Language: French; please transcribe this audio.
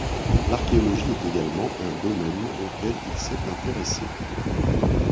L'archéologie est également un domaine auquel il s'est intéressé.